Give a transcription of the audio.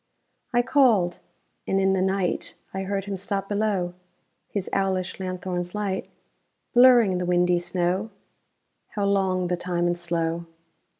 I called. And in the night I heard him stop below, His owlish lanthorn's light Blurring the windy snow How long the time and slow!